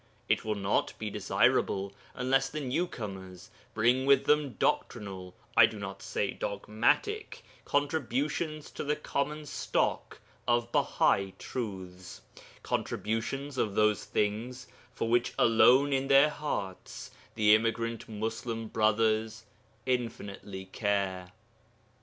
It will not even be desirable unless the new comers bring with them doctrinal (I do not say dogmatic) contributions to the common stock of Bahai truths contributions of those things for which alone in their hearts the immigrant Muslim brothers infinitely care.